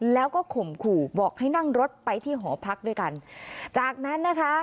แล้วก็ข่มขู่บอกให้นั่งรถไปที่หอพักด้วยกันจากนั้นนะคะ